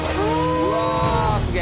うわすげえ。